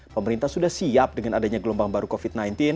pemerintah sudah siap dengan adanya gelombang baru covid sembilan belas